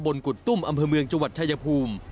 กุดตุ้มอำเภอเมืองจังหวัดชายภูมิ